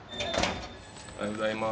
おようございます。